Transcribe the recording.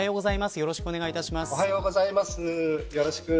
よろしくお願いします。